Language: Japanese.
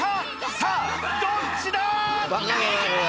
さぁどっちだ